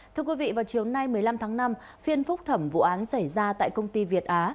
thưa quý vị vào chiều nay một mươi năm tháng năm phiên phúc thẩm vụ án xảy ra tại công ty việt á